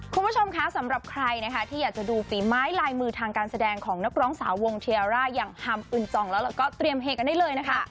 คุณผู้ชมคะสำหรับใครนะคะที่อยากจะดูฝีไม้ลายมือทางการแสดงของนักร้องสาววงเทียร่าอย่างฮัมอึนจองแล้วก็เตรียมเฮกันได้เลยนะคะ